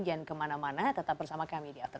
jangan kemana mana tetap bersama kami di after sepuluh